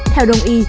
theo đồng ý